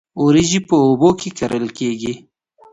وریجې په اوبو کې کرل کیږي